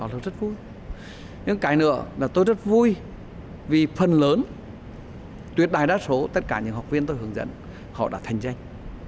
họ rất vui nhưng cái nữa là tôi rất vui vì phần lớn tuyệt đài đa số tất cả những học viên tôi hướng dẫn họ đã thành danh